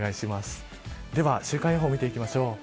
では、週間予報を見ていきましょう。